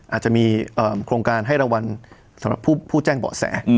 อาจจะมีโครงการให้รางวัลสำหรับผู้แจ้งเบาะแส